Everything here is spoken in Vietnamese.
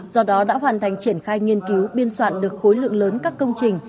do đó đã hoàn thành triển khai nghiên cứu biên soạn được khối lượng lớn các công trình